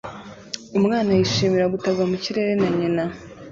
Umwana yishimira gutabwa mu kirere na nyina